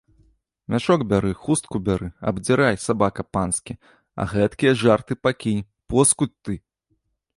Мяшок бяры, хустку бяры, абдзірай, сабака панскі, а гэткія жарты пакінь, поскудзь ты!